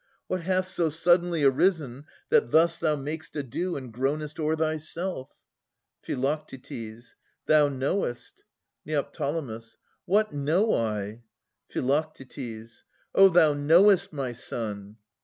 What hath so suddenly arisen, that thus Thou mak'st ado and groanest o'er thyself? Phi. Thou knowest. Neo. What know I ? Phi. O ! thou knowest, my son